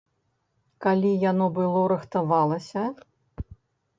Калі яно было рыхтавалася?!